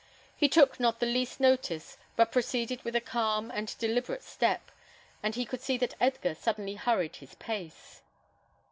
He took not the least notice, but proceeded with a calm and deliberate step; and he could see that Edgar suddenly hurried his pace.